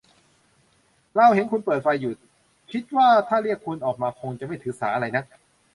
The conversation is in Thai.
เราเห็นคุณเปิดไฟอยู่ คิดว่าถ้าเรียกคุณออกมาคงจะไม่ถือสาอะไรนัก